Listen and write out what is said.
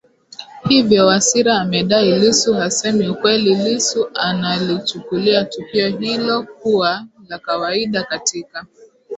hivyo Wasira amedai Lissu hasemi ukweliLissu analichukulia tukio hilo kuwa la kawaida katika